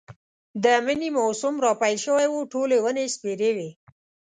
د مني موسم را پيل شوی و، ټولې ونې سپېرې وې.